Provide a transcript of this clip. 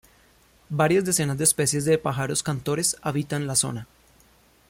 Varias decenas de especies de pájaros cantores habitan la zona.